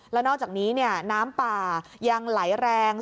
แล้วนอกจากนี้น้ำป่ายังไหลแรง